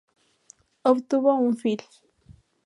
Obtuvo un Fil.